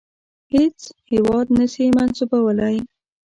هیڅ هیواد نه سي منسوبولای.